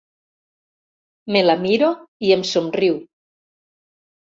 Me la miro i em somriu.